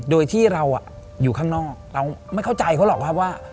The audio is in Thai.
โดยที่เราอยู่ข้างนอกเราไม่เข้าใจเขาหรอกครับว่า